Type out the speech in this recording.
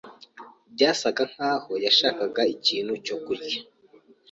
Byasaga nkaho yashakaga ikintu cyokurya.